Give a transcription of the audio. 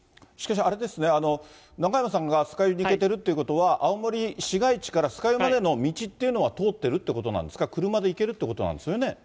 しかしあれですね、中山さんが酸ヶ湯に行けてるということは、青森市街地から酸ヶ湯までの道っていうのは通ってるってことなんですか、車で行けるということなんですよね？